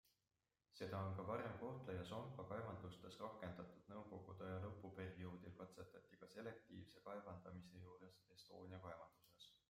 Seda on ka varem Kohtla ja Sompa kaevandustes rakendatud, nõukogude aja lõpuperioodil katsetati ka selektiivse kaevandamise juures Estonia kaevanduses.